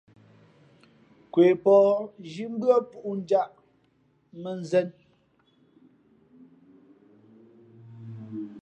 Nkwe pα̌h zhí mbʉ́ά pūꞌ njāꞌ mᾱnzēn.